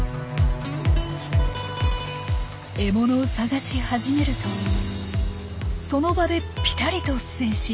獲物を探し始めるとその場でピタリと静止。